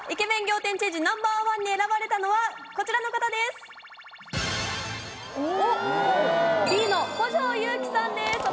ナンバーワンに選ばれたのはこちらの方です！